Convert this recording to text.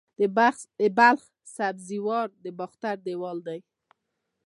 د بلخ سبزې وار د باختر دیوال دی